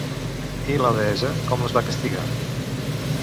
I la deessa com les va castigar?